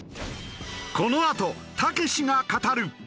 このあとたけしが語る。